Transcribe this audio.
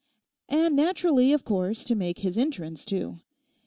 And naturally, of course to make his entrance too.